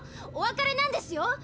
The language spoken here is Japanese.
お別れなんですよ！